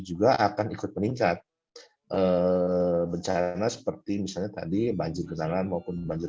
juga akan ikut meningkat bencana seperti misalnya tadi banjir genangan maupun banjir